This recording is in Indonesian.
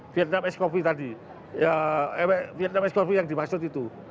vietnam ice coffee tadi vietnam ice coffee yang dimaksud itu